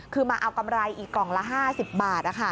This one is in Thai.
คือมาเอากำไรอีกกล่องละ๕๐บาท